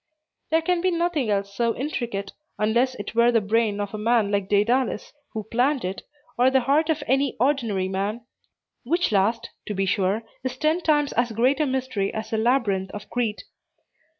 There can be nothing else so intricate, unless it were the brain of a man like Daedalus, who planned it, or the heart of any ordinary man; which last, to be sure, is ten times as great a mystery as the labyrinth of Crete.